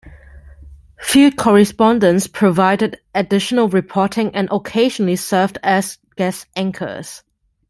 Field correspondents provided additional reporting and occasionally served as guest anchors.